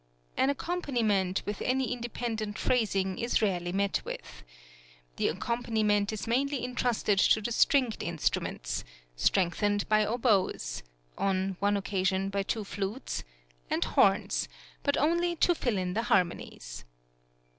An accompaniment with any independent phrasing is rarely met with. The accompaniment is mainly intrusted to the stringed instruments, strengthened by oboes (on one occasion by two flutes) and horns, but only to fill in the harmonies.